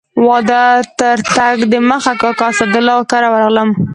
واده ته تر تګ دمخه کاکا اسدالله کره ورغلم.